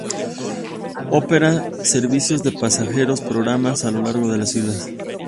Opera servicios de pasajeros programados a lo largo de las islas.